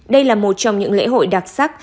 đây là một trong những lễ hội đặc sắc